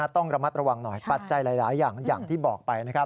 ต้องระมัดระวังหน่อยปัจจัยหลายอย่างอย่างที่บอกไป